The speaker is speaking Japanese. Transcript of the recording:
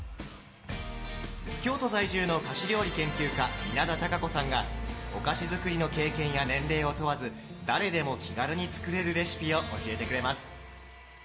京都在住の菓子料理研究家稲田多佳子さんがお菓子づくりの経験や年齢を問わず誰でも気軽に作れるレシピを教えてくれます。